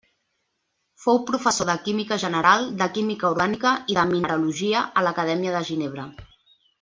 Fou professor de química general, de química orgànica i de mineralogia a l'Acadèmia de Ginebra.